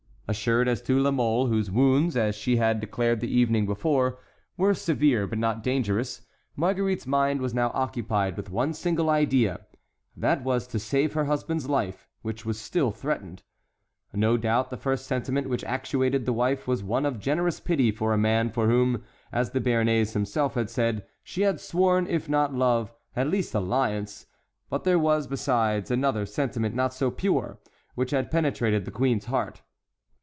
Assured as to La Mole, whose wounds, as she had declared the evening before, were severe but not dangerous, Marguerite's mind was now occupied with one single idea: that was to save her husband's life, which was still threatened. No doubt the first sentiment which actuated the wife was one of generous pity for a man for whom, as the Béarnais himself had said, she had sworn, if not love, at least alliance; but there was, beside, another sentiment not so pure, which had penetrated the queen's heart.